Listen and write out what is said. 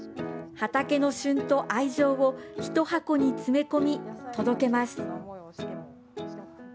畑の旬と愛情を一箱に詰め込み、届けます。